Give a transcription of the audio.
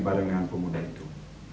barengan pemuda itu